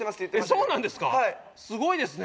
そうなんですか？